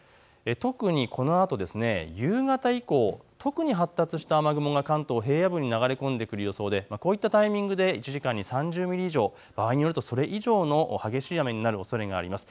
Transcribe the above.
特にこのあと夕方以降、特に発達した雨雲が関東の平野部に流れ込んでくる予想でこういったタイミングで１時間に３０ミリ以上、場合によるとそれ以上の激しい雨になるおそれがあります。